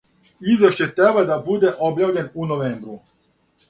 Извештај треба да буде објављен у новембру.